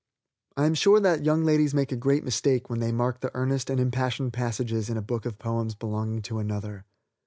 I am sure that young ladies make a great mistake when they mark the earnest and impassioned passages in a book of poems belonging to another.